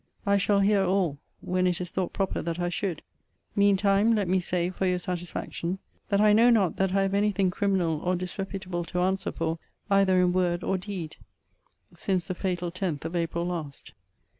I shall hear all, when it is thought proper that I should. Mean time, let me say, for your satisfaction, that I know not that I have any thing criminal or disreputable to answer for either in word or deed, since the fatal 10th of April last.